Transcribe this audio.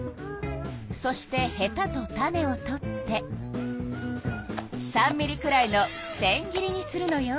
そしてへたと種を取って３ミリくらいのせん切りにするのよ。